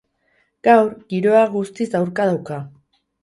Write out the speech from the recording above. Gaur, giroa guztiz aurka dauka.